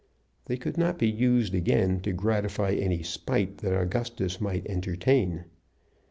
They could not be used again to gratify any spite that Augustus might entertain.